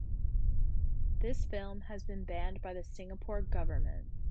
The film has been banned by the Singapore Government.